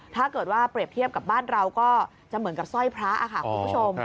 ถ้าเกิดว่าเปรียบเทียบกับบ้านเราก็จะเหมือนกับสร้อยพระค่ะคุณผู้ชม